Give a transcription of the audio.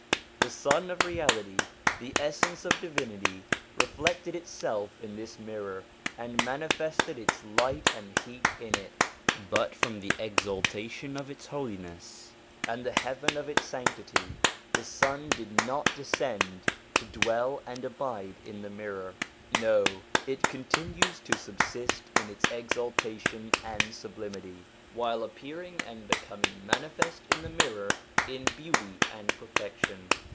The Sun of Reality, the Essence of Divinity, reflected itself in this mirror, and mani fested its light and heat in it ; but from the exaltation of its holiness, and the heaven of its sanctity, the Sun did not descend to dwell and abide in the mirror. No, it continues to subsist in its exaltation and sublimity, while appearing and becoming manifest in the mirror in beauty and perfection.